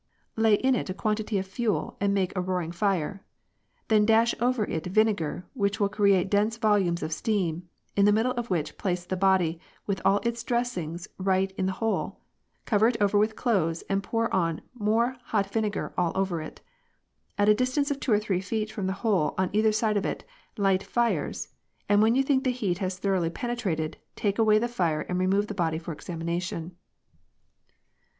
Lay in it a quantity of fuel and make a roaring fire. Then dash over it vinegar, which will create dense volumes of steam, in the middle of which place the body with all its dressings right in the hole ; cover it over with clothes and pour on more hot vinegar all over it. At a distance of two or three feet from the hole on either side of it light fires, and when you think the heat has thoroughly penetrated, take away the fire and remove the body for examination."